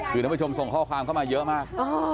คือท่านผู้ชมส่งข้อความเข้ามาเยอะมาก